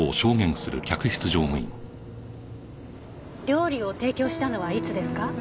料理を提供したのはいつですか？